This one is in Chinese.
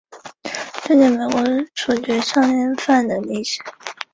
金祝专线是上海市的一条公交路线。